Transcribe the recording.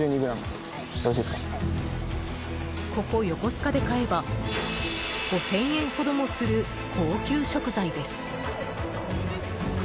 ここ横須賀で買えば５０００円ほどもする高級食材です。